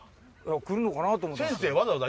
来るのかな？と思って。